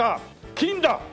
金だ！